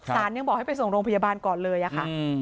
ยังบอกให้ไปส่งโรงพยาบาลก่อนเลยอะค่ะ